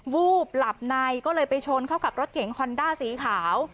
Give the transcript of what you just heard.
วูบหลับในก็เลยไปชนเข้ากับรถเก๋งฮอนด้าสีขาว